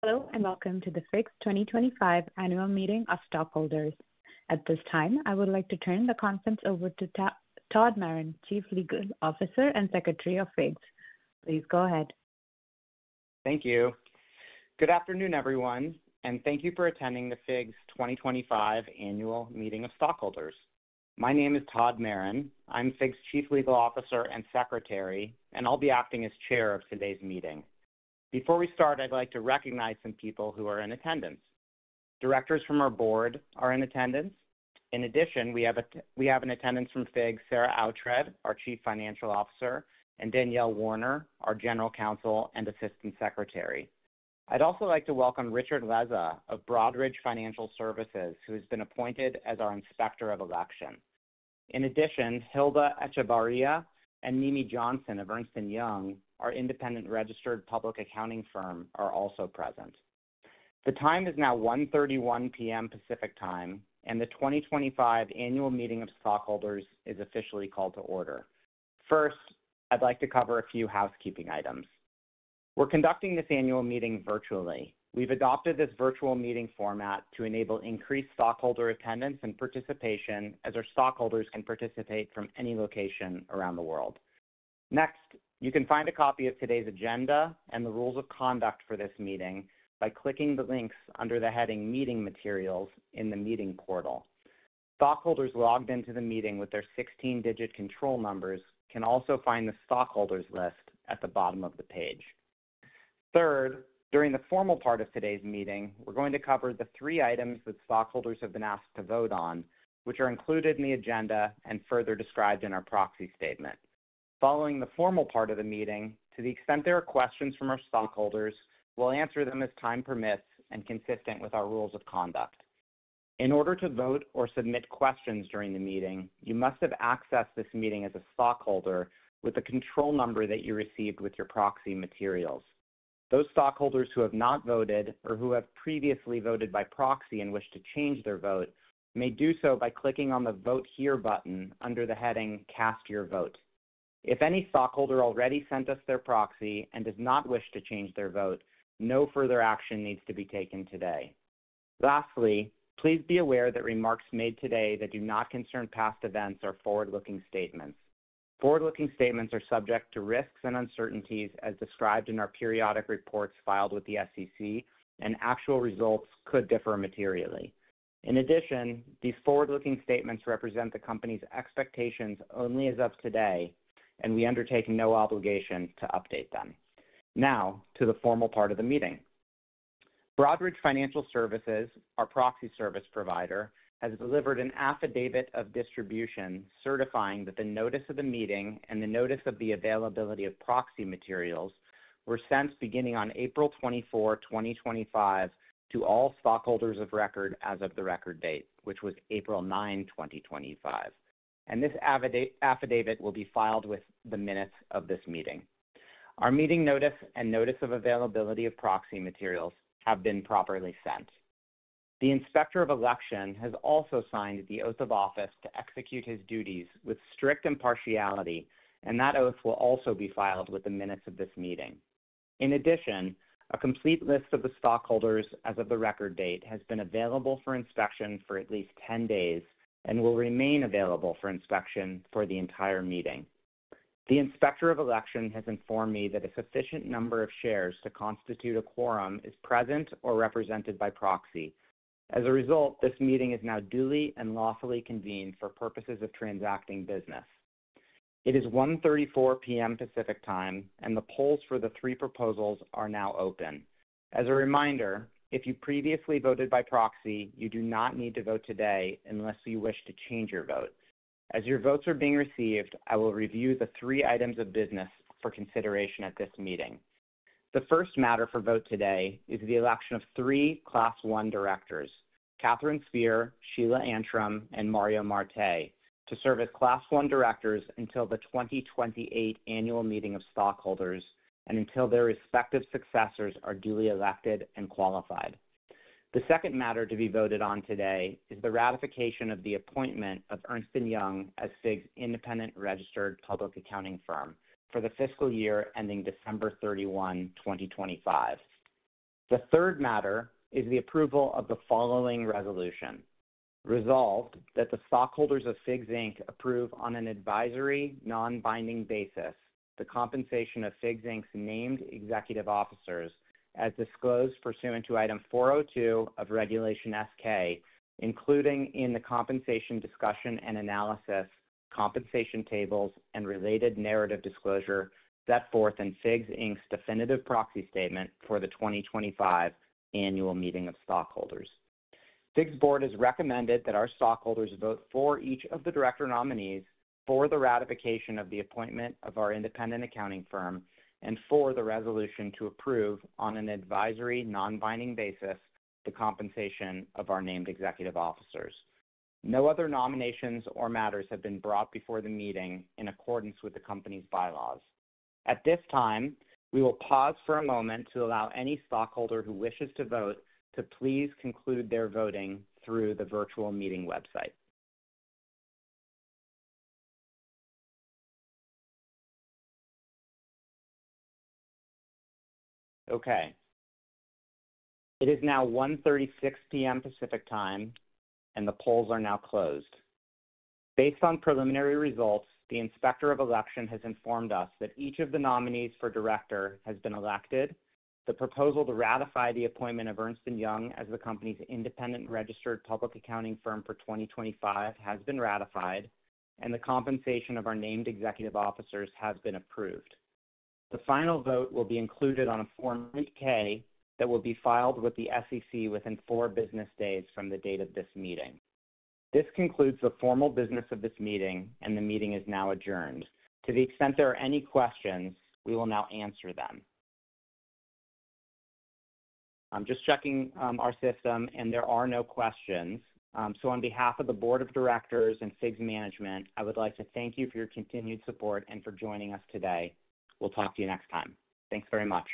Hello, and welcome to the FIGS 2025 Annual Meeting of Stakeholders. At this time, I would like to turn the conference over to Todd Maron, Chief Legal Officer and Secretary of FIGS. Please go ahead. Thank you. Good afternoon, everyone, and thank you for attending the FIGS 2025 Annual Meeting of Stakeholders. My name is Todd Maron. I'm FIGS Chief Legal Officer and Secretary, and I'll be acting as Chair of today's meeting. Before we start, I'd like to recognize some people who are in attendance. Directors from our board are in attendance. In addition, we have in attendance from FIGS, Sarah Oughtred, our Chief Financial Officer, and Danielle Warner, our General Counsel and Assistant Secretary. I'd also like to welcome Richard Leza of Broadridge Financial Services, who has been appointed as our Inspector of Election. In addition, Hilda Echevarria and Mimi Johnson of Ernst & Young, our Independent Registered Public Accounting firm, are also present. The time is now 1:31 P.M. Pacific time, and the 2025 Annual Meeting of Stakeholders is officially called to order. First, I'd like to cover a few housekeeping items. We're conducting this annual meeting virtually. We've adopted this virtual meeting format to enable increased stakeholder attendance and participation, as our stakeholders can participate from any location around the world. Next, you can find a copy of today's agenda and the rules of conduct for this meeting by clicking the links under the heading "Meeting Materials" in the meeting portal. Stakeholders logged into the meeting with their 16-digit control numbers can also find the stakeholders list at the bottom of the page. Third, during the formal part of today's meeting, we're going to cover the three items that stakeholders have been asked to vote on, which are included in the agenda and further described in our proxy statement. Following the formal part of the meeting, to the extent there are questions from our stakeholders, we'll answer them as time permits and consistent with our rules of conduct. In order to vote or submit questions during the meeting, you must have accessed this meeting as a stakeholder with the control number that you received with your proxy materials. Those stakeholders who have not voted or who have previously voted by proxy and wish to change their vote may do so by clicking on the "Vote Here" button under the heading "Cast Your Vote." If any stakeholder already sent us their proxy and does not wish to change their vote, no further action needs to be taken today. Lastly, please be aware that remarks made today do not concern past events or forward-looking statements. Forward-looking statements are subject to risks and uncertainties, as described in our periodic reports filed with the SEC, and actual results could differ materially. In addition, these forward-looking statements represent the company's expectations only as of today, and we undertake no obligation to update them. Now, to the formal part of the meeting. Broadridge Financial Services, our proxy service provider, has delivered an affidavit of distribution certifying that the notice of the meeting and the notice of the availability of proxy materials were sent beginning on April 24, 2025, to all stakeholders of record as of the record date, which was April 9, 2025. This affidavit will be filed with the minutes of this meeting. Our meeting notice and notice of availability of proxy materials have been properly sent. The Inspector of Election has also signed the oath of office to execute his duties with strict impartiality, and that oath will also be filed with the minutes of this meeting. In addition, a complete list of the stakeholders as of the record date has been available for inspection for at least 10 days and will remain available for inspection for the entire meeting. The Inspector of Election has informed me that a sufficient number of shares to constitute a quorum is present or represented by proxy. As a result, this meeting is now duly and lawfully convened for purposes of transacting business. It is 1:34 P.M. Pacific time, and the polls for the three proposals are now open. As a reminder, if you previously voted by proxy, you do not need to vote today unless you wish to change your vote. As your votes are being received, I will review the three items of business for consideration at this meeting. The first matter for vote today is the election of three Class 1 directors, Katherine Spear, Sheila Antrim, and Mario Marte, to serve as Class 1 directors until the 2028 Annual Meeting of Stakeholders and until their respective successors are duly elected and qualified. The second matter to be voted on today is the ratification of the appointment of Ernst & Young as FIGS Independent Registered Public Accounting firm for the fiscal year ending December 31, 2025. The third matter is the approval of the following resolution: Resolved that the stakeholders of FIGS approve on an advisory, non-binding basis, the compensation of FIGS named executive officers as disclosed pursuant to item 402 of Regulation S-K, including in the compensation discussion and analysis, compensation tables, and related narrative disclosure set forth in FIGS definitive proxy statement for the 2025 Annual Meeting of Stakeholders. FIGS Board has recommended that our stakeholders vote for each of the director nominees, for the ratification of the appointment of our independent accounting firm, and for the resolution to approve on an advisory, non-binding basis, the compensation of our named executive officers. No other nominations or matters have been brought before the meeting in accordance with the company's by-laws. At this time, we will pause for a moment to allow any stakeholder who wishes to vote to please conclude their voting through the virtual meeting website. Okay. It is now 1:36 P.M. Pacific time, and the polls are now closed. Based on preliminary results, the Inspector of Election has informed us that each of the nominees for director has been elected, the proposal to ratify the appointment of Ernst & Young as the company's independent registered public accounting firm for 2025 has been ratified, and the compensation of our named executive officers has been approved. The final vote will be included on a Form 8-K that will be filed with the SEC within four business days from the date of this meeting. This concludes the formal business of this meeting, and the meeting is now adjourned. To the extent there are any questions, we will now answer them. I'm just checking our system, and there are no questions. On behalf of the Board of Directors and FIGS Management, I would like to thank you for your continued support and for joining us today. We'll talk to you next time. Thanks very much.